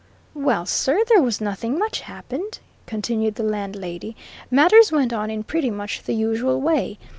"Well sir, there was nothing much happened," continued the landlady. "Matters went on in pretty much the usual way.